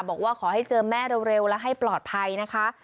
บอกว่าขอให้เจอแม่เร็วและให้ปลอดภัยนะคะ